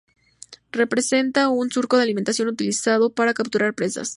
Presentan un surco de alimentación utilizado para capturar presas.